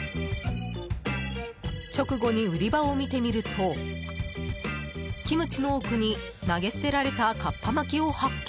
直後に売り場を見てみるとキムチの奥に投げ捨てられたカッパ巻きを発見。